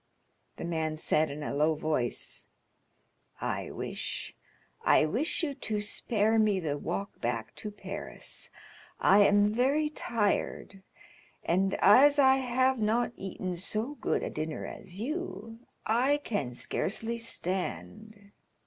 The man said, in a low voice: "I wish—I wish you to spare me the walk back to Paris. I am very tired, and as I have not eaten so good a dinner as you, I can scarcely stand."